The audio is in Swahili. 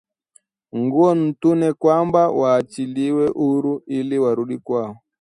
Nguo Ntune kwamba waachiliwe huru ili warudi kwao